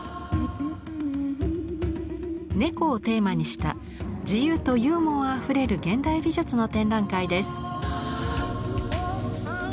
猫をテーマにした自由とユーモアあふれる現代美術の展覧会です。